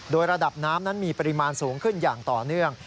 โดยระดับน้ำนั้นมีปริมาณสูงขึ้นอย่างต่อเนื่อง